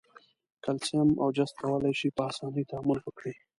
کلسیم او جست کولای شي په آساني تعامل وکړي.